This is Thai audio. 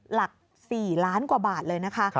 หลัก๔ล้านกว่าบาทเลยนะคะ